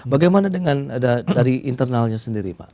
bagaimana dengan dari internalnya sendiri pak